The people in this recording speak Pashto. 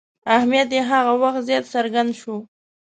اهمیت یې هغه وخت زیات څرګند شو.